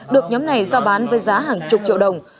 được nhóm này giao bán với giá hàng chục triệu đồng